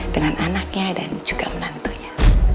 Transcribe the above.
dengan anaknya dan juga menantunya